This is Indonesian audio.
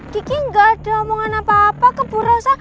kiki gak ada omongan apa apa kebo rossa